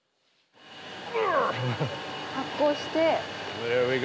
発酵して。